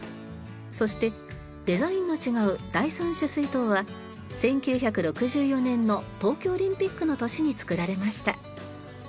そしてデザインの違う第三取水塔は１９６４年の東京オリンピックの年に造られました。